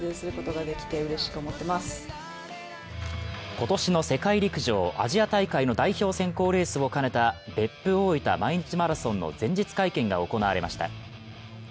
今年の世界陸上アジア大会の代表選考レースを兼ねた別府大分毎日マラソンの前日会見が行われました。